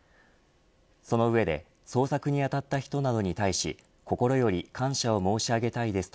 その上で捜索に当たった人などに対し心より感謝を申し上げたいです。